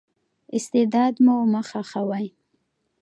استعداد مو مه خښوئ.